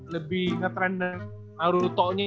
lebih nge trend naruto nya